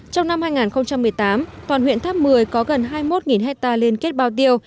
trong năm hai nghìn một mươi tám toàn huyện tháp một mươi có gần hai mươi một hectare liên kết bao tiêu